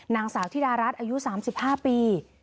นางสาวธิดารัฐอายุ๓๕ปี